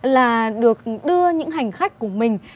là được đưa những hành khách của mình